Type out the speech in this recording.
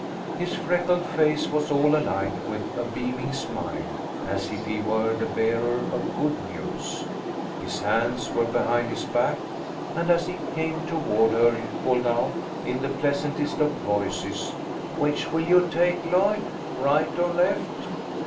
His freckled face was all alight with a beaming smile, as if he were the bearer of good news. His hands were behind his back, and as he came toward her he called out, in the pleasantest of voices, " Which will you take, Lloyd, right or left